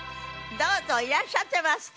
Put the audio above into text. どうぞいらっしゃってますか？